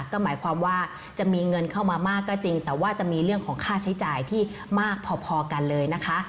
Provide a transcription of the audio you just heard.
ก็หมายความว่าจะมีเงินเข้ามามากก็จริงแต่ว่าจะมีเรื่องของค่าใช้จ่ายที่มากพอกันเลยนะคะ